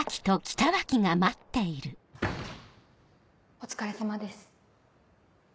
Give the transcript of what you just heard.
お疲れさまです。